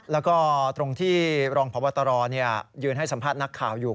แล้วก็ตรงที่รองพบตรยืนให้สัมภาษณ์นักข่าวอยู่